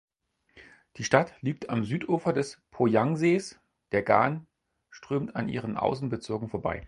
Die Stadt liegt am Südufer des Poyang-Sees; der Gan strömt an ihren Außenbezirken vorbei.